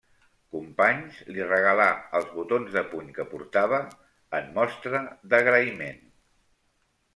Companys li regalà els botons de puny que portava en mostra d'agraïment.